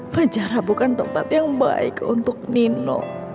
fajar bukan tempat yang baik untuk nino